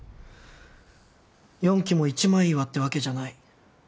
四鬼も一枚岩ってわけじゃない。